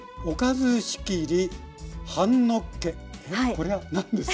これは何ですか？